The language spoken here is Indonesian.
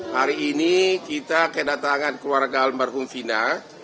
hari ini kita kedatangan keluarga almarhum vina